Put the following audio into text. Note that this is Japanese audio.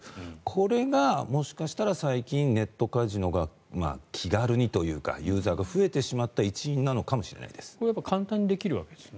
これがもしかしたら最近、ネットカジノが気軽にというかユーザーが増えてしまった一因なのかもしれないです。